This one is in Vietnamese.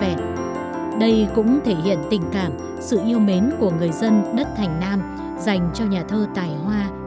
đặc biệt đây cũng thể hiện tình cảm sự yêu mến của người dân đất thành nam dành cho nhà thơ tài hoa